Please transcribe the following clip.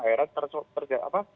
akhirnya terjadi apa